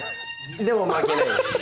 でも負けないです。